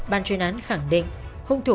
ban chuyên án khẳng định